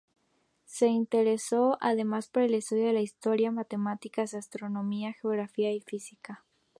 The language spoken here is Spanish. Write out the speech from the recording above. Se interesó, además, por el estudio de la historia, matemáticas, astronomía, geografía y física.